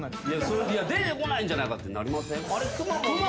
出てこないんじゃないかってなりません？